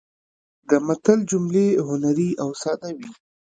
د متل جملې هنري او ساده وي